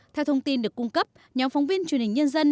theo thông tin được cung cấp nhóm phóng viên truyền hình nhân dân